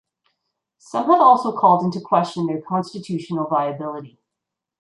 Some have also called into question their constitutional viability.